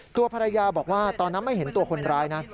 ตัวภรรยาบอกว่าตอนนั้นไม่เห็นตัวคนร้ายนะ